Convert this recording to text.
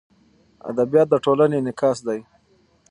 ادبیات د ټولنې انعکاس دی.